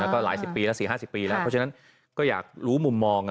ก็หลายสิบปีหลายสี่ห้าสิบปีแล้วเพราะฉะนั้นก็อยากรู้มุมมอง